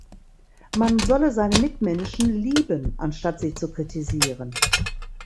Man solle seine Mitmenschen lieben anstatt sie zu kritisieren.